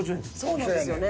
そうなんですよね。